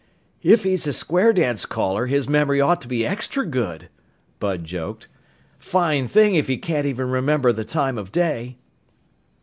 "If he's a square dance caller, his memory ought to be extra good," Bud joked. "Fine thing if he can't even remember the time of day!"